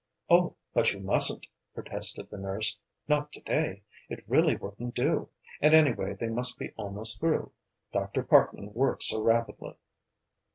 "Oh, but you mustn't," protested the nurse, "not today. It really wouldn't do. And anyway they must be almost through. Dr. Parkman works so rapidly."